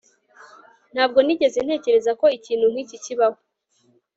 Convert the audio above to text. ntabwo nigeze ntekereza ko ikintu nkiki kibaho